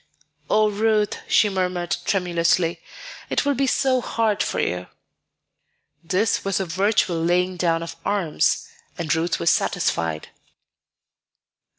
"Oh, Ruth," she murmured tremulously, "it will be so hard for you." This was a virtual laying down of arms, and Ruth was satisfied.